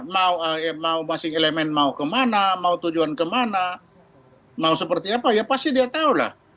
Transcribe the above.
mau masing masing elemen mau kemana mau tujuan kemana mau seperti apa ya pasti dia tahu lah